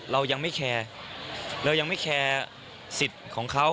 เรายังไม่แคร์เรายังไม่แคร์สิทธิ์ของเขา